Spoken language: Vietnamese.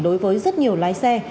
đối với rất nhiều lái xe